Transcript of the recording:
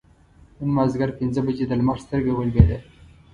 نن مازدیګر پینځه بجې د لمر سترګه ولوېده.